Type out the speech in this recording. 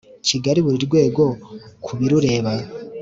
Kigali buri rwego ku birureba